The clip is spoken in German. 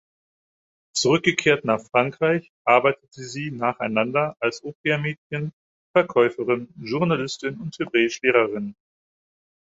Zurückgekehrt nach Frankreich, arbeitete sie nacheinander als Au-pair-Mädchen, Verkäuferin, Journalistin und Hebräisch-Lehrerin.